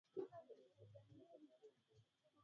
Unakumbuka rehema